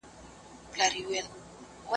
د وریښتانو خریل د ودې سبب نه دی.